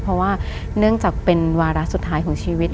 เพราะว่าเนื่องจากเป็นวาระสุดท้ายของชีวิต